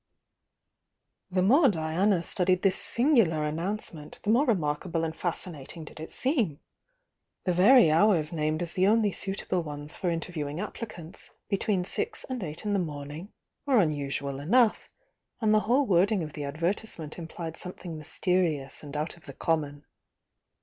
The more Diana studied this singular announce ment, the more remarkable and fascmating d^^j* seem. The very hours named as the only suitable ones for interviewing applicants, between six and eight in the morning, were unusual enough, and the whole wording of the advertisement implied some thing mysterious and out of the common.